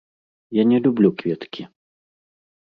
Я не люблю кветкі!